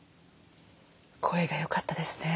声が良かったですね